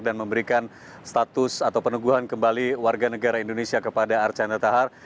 dan memberikan status atau peneguhan kembali warga negara indonesia kepada archandra tahar